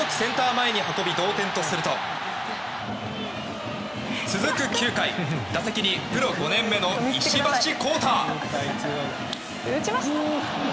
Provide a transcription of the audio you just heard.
前に運び同点とすると続く９回、打席にプロ５年目の石橋康太。